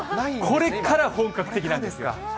これから本格的なんですが。